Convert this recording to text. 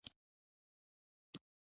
زه د مشهورو پاچاهانو فرمانونه لوستل خوښوم.